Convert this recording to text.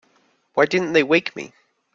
Why didn't they wake me?